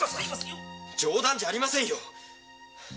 冗談じゃありませんよ。